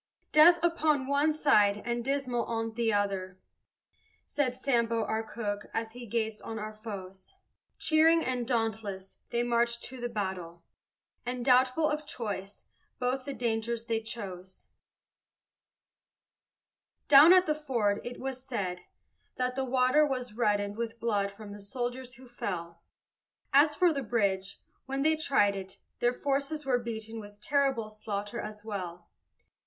"Death upon one side, and Dismal on t' other," Said Sambo, our cook, as he gazed on our foes: Cheering and dauntless they marched to the battle, And, doubtful of choice, both the dangers they chose. Down at the ford, it was said, that the water Was reddened with blood from the soldiers who fell: As for the bridge, when they tried it, their forces Were beaten with terrible slaughter as well.